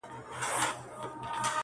چي ته راځې تر هغو خاندمه، خدایان خندوم,